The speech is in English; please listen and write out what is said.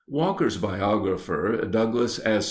Walker's biographer, Douglas S.